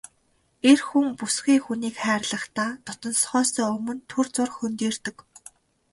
Эр хүн бүсгүй хүнийг хайрлахдаа дотносохоосоо өмнө түр зуур хөндийрдөг.